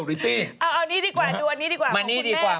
เอานี่ดีกว่านี่ดีกว่าของคุณแม่ค่ะ